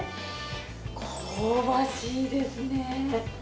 香ばしいですね。